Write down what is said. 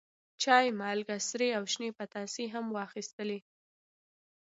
چای، مالګه، سرې او شنې پتاسې هم واخیستلې.